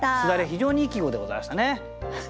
非常にいい季語でございましたね。